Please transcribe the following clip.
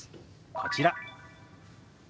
こちら。